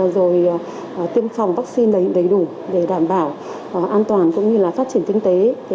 rồi tiêm phòng vaccine đầy đủ để đảm bảo an toàn cũng như là phát triển kinh tế